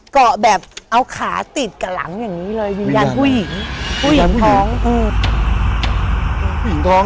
เกาะแบบเอาขาติดกับหลังอย่างนี้เลยวิญญาณผู้หญิง